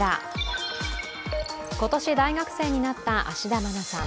今年大学生になった芦田愛菜さん。